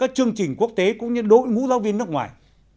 các chương trình quốc tế cũng như đội ngũ giáo viên nước ngoài